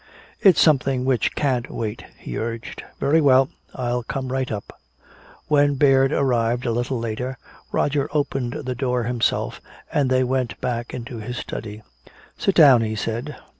"It's something which can't wait," he urged. "Very well, I'll come right up." When Baird arrived a little later, Roger opened the door himself, and they went back into his study. "Sit down," he said.